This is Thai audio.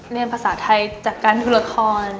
เรียนภาษาไทยจากการดูละคร